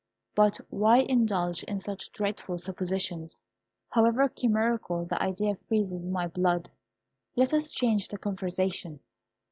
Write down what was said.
But why indulge in such dreadful suppositions? However chimerical, the idea freezes my blood. Let us change the conversation."